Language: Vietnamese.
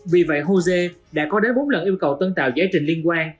vì vậy jose đã có đến bốn lần yêu cầu tân tạo giải trình liên quan